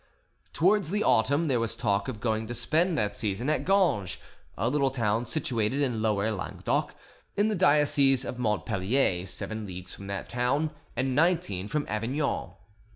Towards the autumn there was talk of going to spend that season at Ganges, a little town situated in Lower Languedoc, in the diocese of Montpellier, seven leagues from that town, and nineteen from Avignon.